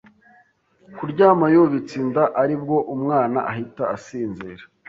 kuryama yubitse inda aribwo umwana ahita asinzira,